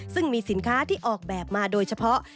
ซึ่งมีสินค้าที่ออกแบบมาโดยเฉพาะ